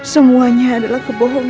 semuanya adalah kebohongan